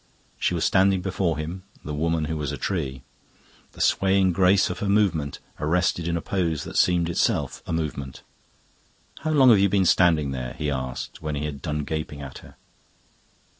She was standing before him, the woman who was a tree, the swaying grace of her movement arrested in a pose that seemed itself a movement. "How long have you been standing there?" he asked, when he had done gaping at her.